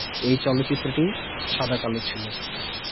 এই চলচ্চিত্রটি সাদা কালো ছিল।